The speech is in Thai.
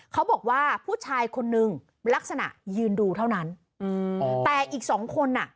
เขาบอกว่าผู้ชายคนนึงลักษณะยืนดูเท่านั้นอืมแต่อีกสองคนอ่ะ